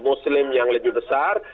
muslim yang lebih besar